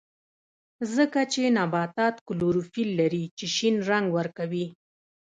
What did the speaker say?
ځکه چې نباتات کلوروفیل لري چې شین رنګ ورکوي